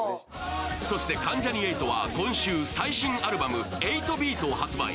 そして関ジャニ∞は今週、最新アルバム「８ＢＥＡＴ」を発売。